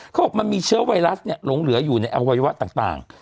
เขาบอกมันมีเชื้อไวรัสหลงเหลืออยู่ในอวัยวะต่าง